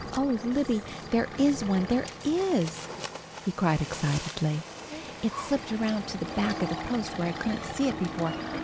"Oh, Libby! There is one. There is!" he cried excitedly. "It slipped around to the back of the post where I couldn't see it before.